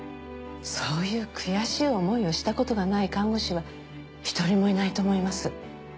そういう悔しい思いをしたことがない看護師は１人もいないと思います。